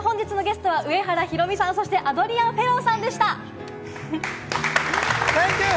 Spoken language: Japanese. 本日のゲストは上原ひろみさん、そしてアドリアン・フェローさんセンキュー！